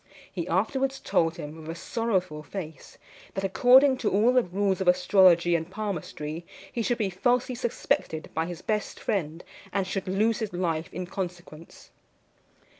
He afterwards told him with a sorrowful face, that, according to all the rules of astrology and palmistry, he should be falsely suspected by his best friend, and should lose his life in consequence.